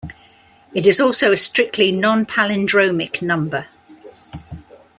It is also a strictly non-palindromic number.